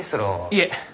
いえ。